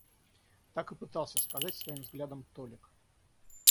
так и пытался сказать своим взглядом Толик.